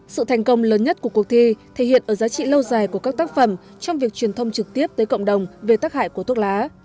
sự thành công lớn nhất của cuộc thi thể hiện ở giá trị lâu dài của các tác phẩm trong việc truyền thông trực tiếp tới cộng đồng về tác hại của thuốc lá